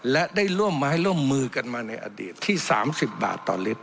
และได้ร่วมไม้ร่วมมือกันมาในอดีตที่๓๐บาทต่อลิตร